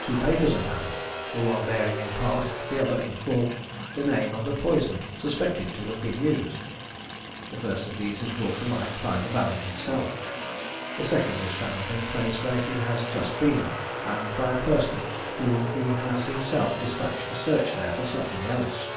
Two papers are found, the one bearing in part the other in full, the name of the poison suspected to have been used. The first of these is brought to light by the Baron himself, the second is found in a place where he has just been, and by a person whom he has himself despatched to search there for something else.